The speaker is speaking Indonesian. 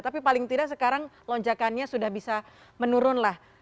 tapi paling tidak sekarang lonjakannya sudah bisa menurunlah